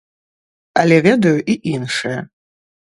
Але ведаю і іншае.